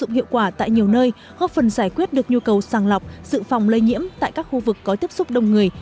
dụng hiệu quả tại nhiều nơi góp phần giải quyết được nhu cầu sàng lọc dự phòng lây nhiễm tại các khu vực có tiếp xúc đông người